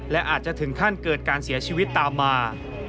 และอาจจะถึงขั้นเกิดการเสียชีวิตตามมา